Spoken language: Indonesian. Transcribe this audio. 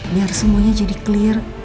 biar semuanya jadi clear